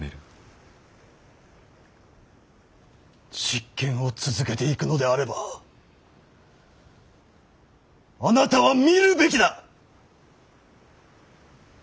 執権を続けていくのであればあなたは見るべきだ！